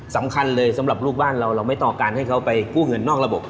สำคัญเลยสำหรับลูกบ้านเราเราไม่ต่อการให้เขาไปกู้เงินนอกระบบ